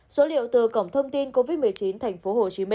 số liệu từ cổng thông tin covid một mươi chín tp hcm